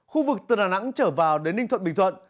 khu vực từ đà nẵng trở vào đến ninh thuận bình thuận